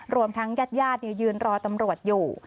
รวมทั้งญาติญาติยืนรอตำรวจอยู่